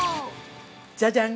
◆じゃじゃん！